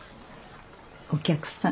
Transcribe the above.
お客さん。